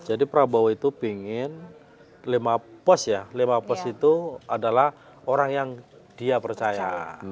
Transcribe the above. jadi prabowo itu pingin lima pos ya lima pos itu adalah orang yang dia percaya